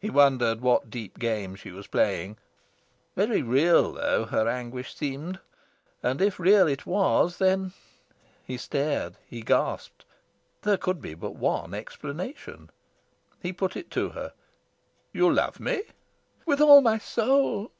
He wondered what deep game she was playing. Very real, though, her anguish seemed; and, if real it was, then he stared, he gasped there could be but one explanation. He put it to her. "You love me?" "With all my soul."